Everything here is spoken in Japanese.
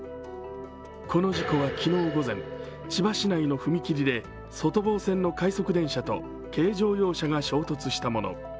この事故は昨日午前、千葉市内の踏切で外房線の快速電車と軽乗用車が衝突したもの。